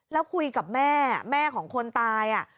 แล้วคุยกับแม่แม่ของคนตาย